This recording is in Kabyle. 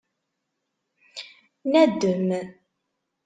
Nadem.